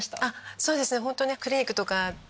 そうですね。